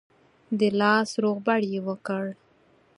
د لاس روغبړ یې وکړ.